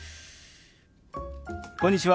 こんにちは。